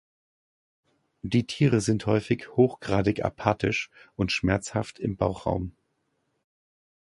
Die Tiere sind häufig hochgradig apathisch und schmerzhaft im Bauchraum.